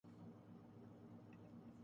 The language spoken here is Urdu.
کیا آپ کو مطالعہ کرنا پسند ہے